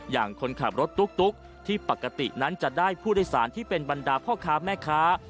คนขับรถตุ๊กที่ปกตินั้นจะได้ผู้โดยสารที่เป็นบรรดาพ่อค้าแม่ค้า